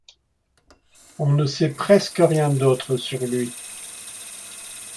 On ne sait presque rien d'autre sur lui.